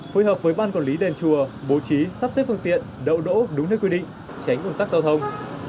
phối hợp với ban quản lý đền chùa bố trí sắp xếp phương tiện đậu đỗ đúng nơi quy định tránh ủn tắc giao thông